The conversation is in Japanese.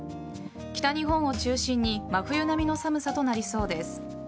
北日本を中心に真冬並みの寒さとなりそうです。